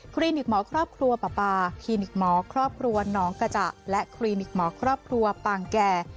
ลินิกหมอครอบครัวปาคลินิกหมอครอบครัวน้องกระจ่าและคลินิกหมอครอบครัวปางแก่